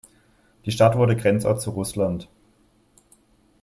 Die Stadt wurde Grenzort zu Russland.